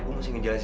aku pulang dulu ya